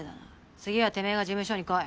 次はてめぇが事務所に来い。